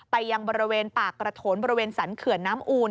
ยังบริเวณปากกระโถนบริเวณสรรเขื่อนน้ำอูล